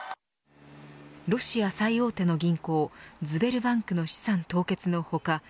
ロシア最大手の銀行ズベルバンクの資産凍結の他